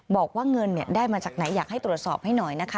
บอกว่าเงินได้มาจากไหนอยากให้ตรวจสอบให้หน่อยนะคะ